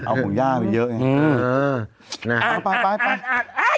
เอาหูย่างเยอะไง